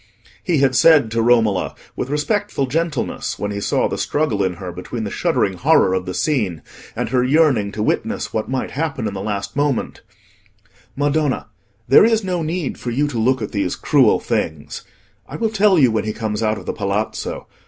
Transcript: He had said to Romola, with respectful gentleness, when he saw the struggle in her between her shuddering horror of the scene and her yearning to witness what might happen in the last moment— "Madonna, there is no need for you to look at these cruel things. I will tell you when he comes out of the Palazzo.